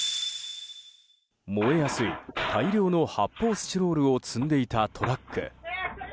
燃えやすい大量の発泡スチロールを積んでいたトラック。